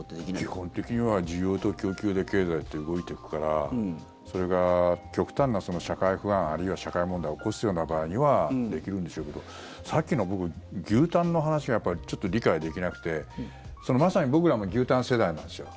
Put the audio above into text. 基本的には需要と供給で経済って動いていくからそれが極端な社会不安あるいは社会問題を起こすような場合にはできるんでしょうけどさっきの僕、牛タンの話がちょっと理解できなくてまさに僕らも牛タン世代なんですよ。